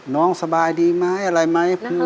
สบายดีไหมอะไรไหม